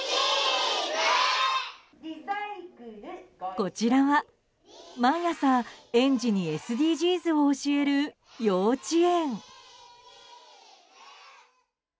こちらは毎朝、園児にＳＤＧｓを教える幼稚園。